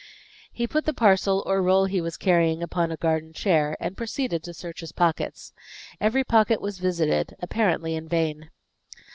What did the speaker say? He put the parcel or roll he was carrying upon a garden chair, and proceeded to search his pockets. Every pocket was visited, apparently in vain.